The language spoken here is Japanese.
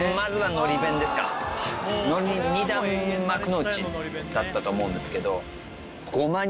のり２段幕の内だったと思うんですけど。